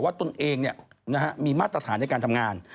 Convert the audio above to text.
ตนเองมีมาตรฐานในการทำงาน